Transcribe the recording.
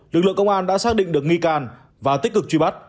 lực lượng công an đã xác định được nghi can và tích cực truy bắt